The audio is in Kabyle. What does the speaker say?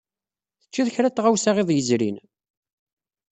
Teččiḍ kra n tɣawsa iḍ yezrin?